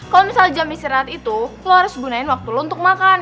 kalau misalnya jam istirahat itu lo harus gunain waktu lo untuk makan